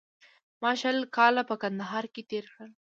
ما شل کاله په کندهار کې تېر کړل